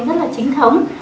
rất là chính thống